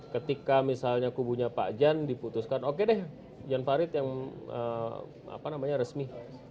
ketika misalnya kubunya pak jan diputuskan oke deh jan farid yang resmi